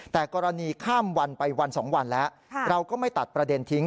แต่กรณีข้ามวันไปวัน๒วันแล้วเราก็ไม่ตัดประเด็นทิ้ง